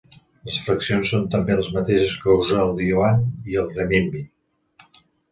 Les fraccions són també les mateixes que usa el iuan o renminbi.